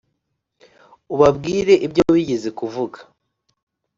ubabwire ibyo wigeze kuvuga.